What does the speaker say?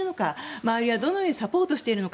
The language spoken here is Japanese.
周りはどのようにサポートしているのか。